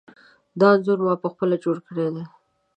دا انځور ما پخپله جوړ کړی دی.